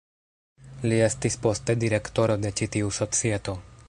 Li estis poste direktoro de ĉi-tiu societo.